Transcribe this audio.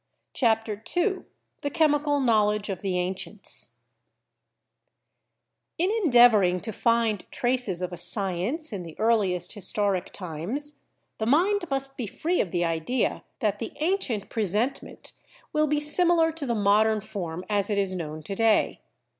CHAPTER II THE CHEMICAL KNOWLEDGE OF THE ANCIENTS In endeavoring to find traces of a science in the earliest historic times, the mind must be free of the idea that the ancient presentment will be similar to the modern form as it is known to day.